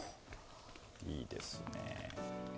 いいですね。